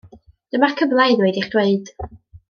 Dyma'r cyfle i ddweud eich dweud.